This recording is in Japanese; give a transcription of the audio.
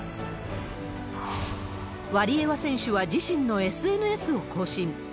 ワリエワ選手は自身のＳＮＳを更新。